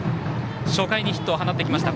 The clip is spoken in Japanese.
初回にヒットを放ってきました。